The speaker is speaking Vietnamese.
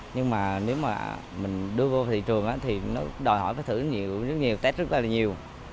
nhưng mà nếu mà mình đưa vô thị trường thì nó đòi hỏi phải thử rất nhiều test rất là nhiều